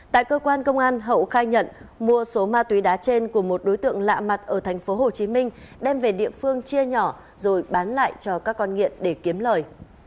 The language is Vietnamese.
tại cơ quan công an hậu khai nhận mua số ma túy đá trên của một đối tượng lạ mặt ở thành phố hồ chí minh đem về địa phương chia nhỏ rồi bán lại cho các con nghiện để kiếm lời